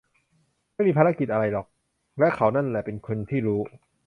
ไม่มีภารกิจอะไรหรอก และเขานั่นแหละเป็นคนที่รู้